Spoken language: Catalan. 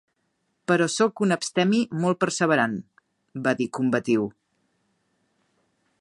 "Però sóc un abstemi molt perseverant", va dir combatiu.